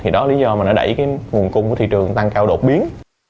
đó là lý do mà nó đẩy nguồn cung của thị trường tăng cao đột biến